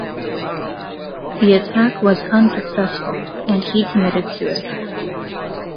The attack was unsuccessful and he committed suicide.